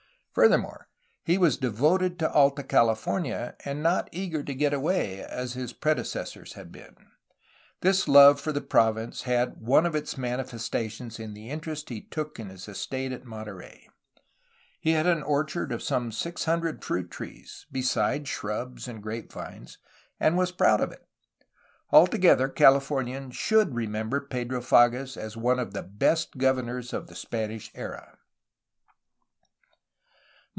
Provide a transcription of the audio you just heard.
Furthermore, he was devoted to Alta California, and not eager to get away, as his predecessors had been. This love for the province had one of its manifestations in the interest he took in his estate at Monterey. He had an orchard of some six hundred fruit trees, besides shrubs and grape vines, and was proud of it. Altogether, Califomians should remember Pedro Fages as one of the best governors of the Spanish era.